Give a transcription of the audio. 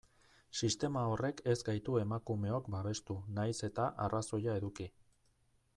Sistema horrek ez gaitu emakumeok babestu, nahiz eta arrazoia eduki.